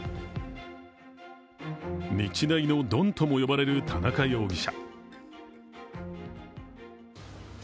日大のドンとも呼ばれる田中容疑者。